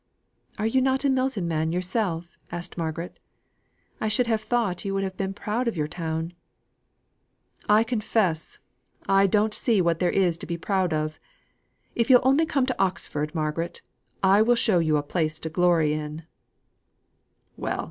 "Are you not a Milton man yourself?" asked Margaret. "I should have thought you would have been proud of your town." "I confess, I don't see what there is to be proud of. If you'll only come to Oxford, Margaret, I will show you a place to glory in." "Well!"